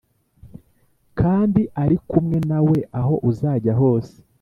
Kandi ari kumwe nawe aho uzajya hose